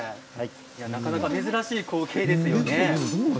なかなか珍しい光景ですよね。